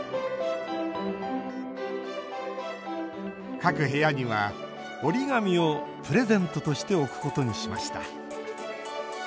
各部屋には、折り紙をプレゼントとして置くことにしました。